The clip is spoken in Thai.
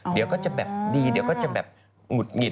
เดี๋ยวก็จะแบบดีเดี๋ยวก็จะแบบหงุดหงิด